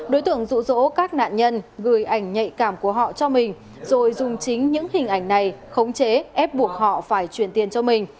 đối tượng rụ rỗ các nạn nhân gửi ảnh nhạy cảm của họ cho mình rồi dùng chính những hình ảnh này khống chế ép buộc họ phải truyền tiền cho mình